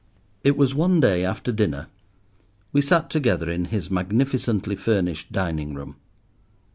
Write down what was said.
It was one day after dinner, we sat together in his magnificently furnished dining room.